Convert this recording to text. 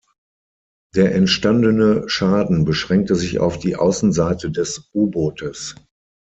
Der entstandene Schaden beschränkte sich auf die Außenseite des U-Bootes.